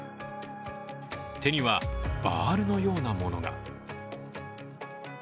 手にはバールのようなものが。